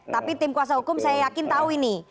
tapi tim kuasa hukum saya yakin tahu ini